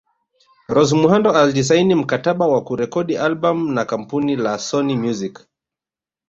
Rose Muhando alisaini mkataba wa kurekodi albam na kampuni la Sony Music